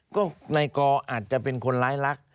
ก็ในกรอาจจะเป็นคนร้ายลักษณ์